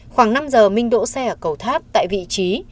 khoảng năm giờ minh đỗ xe ở cầu tháp tại vị trí